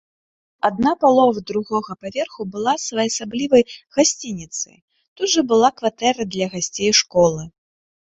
Адна палова другога паверху была своеасаблівай гасцініцай, тут жа была кватэра для гасцей школы.